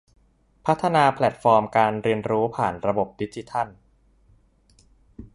พัฒนาแพลตฟอร์มการเรียนรู้ผ่านระบบดิจิทัล